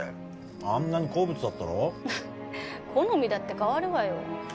あんなに好物だったろ好みだって変わるわよ